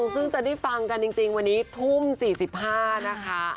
ซึ่งจะได้ฟังกันจริงวันนี้ทุ่ม๔๕นะคะ